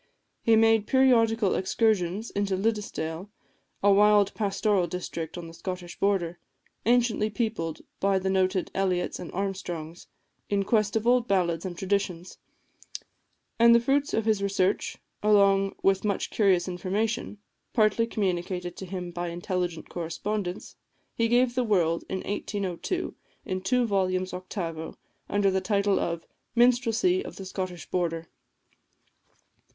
He made periodical excursions into Liddesdale, a wild pastoral district on the Scottish border, anciently peopled by the noted Elliots and Armstrongs, in quest of old ballads and traditions; and the fruits of his research, along with much curious information, partly communicated to him by intelligent correspondents, he gave to the world, in 1802, in two volumes octavo, under the title of "Minstrelsy of the Scottish Border."